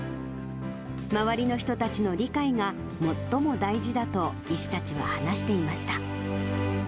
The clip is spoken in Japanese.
周りの人たちの理解が、最も大事だと医師たちは話していました。